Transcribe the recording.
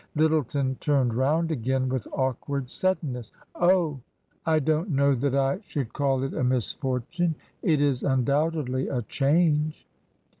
Lyttleton turned round again with awkward sudden ness. " Oh ! I don't know that I should call it a misfortune. It is undoubtedly a change."